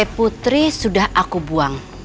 putri sudah aku buang